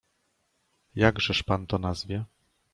"Jakżeż pan to nazwie?"